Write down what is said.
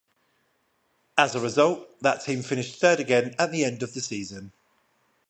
As a result, that team finished third again at the end of the season.